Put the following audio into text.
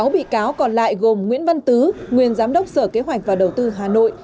sáu bị cáo còn lại gồm nguyễn văn tứ nguyên giám đốc sở kế hoạch và đầu tư hà nội